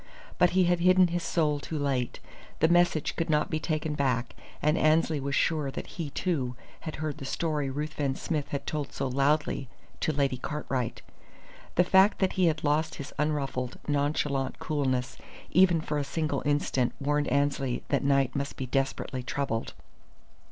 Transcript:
But he had hidden his soul too late. The message could not be taken back, and Annesley was sure that he, too, had heard the story Ruthven Smith had told so loudly to Lady Cartwright. The fact that he had lost his unruffled, nonchalant coolness even for a single instant warned Annesley that Knight must be desperately troubled.